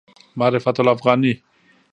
معرفت الافغاني